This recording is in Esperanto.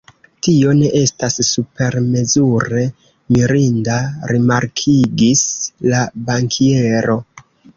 Tio ne estas supermezure mirinda, rimarkigis la bankiero.